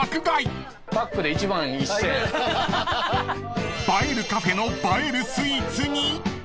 ［映えるカフェの映えるスイーツに］